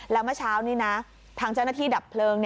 แล้วเมื่อเช้านี้นะทางเจ้าหน้าที่ดับเพลิง